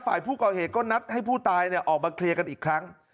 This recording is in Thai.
ฝ่ายผู้ก่อเหตุก็นัดให้ผู้ตายออกมาเคลียร์กันอีกครั้ง